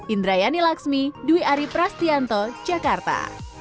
indrayani laxmi dwi ari prasetyanto jakarta